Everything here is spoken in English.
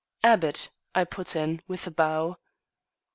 " "Abbott," I put in, with a bow.